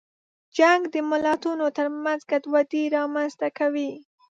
جنګ د ملتونو ترمنځ ګډوډي رامنځته کوي.